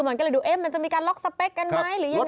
มันก็เลยดูเอ๊ะมันจะมีการล็อกสเปคกันไหมหรือยังไง